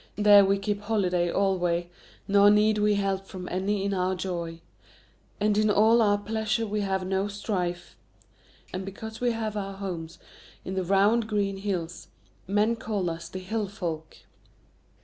There we keep holiday alway, nor need we help from any in our joy. And in all our pleasure we have no strife. And because we have our homes in the round green hills, men call us the Hill Folk."